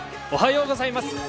おはようございます。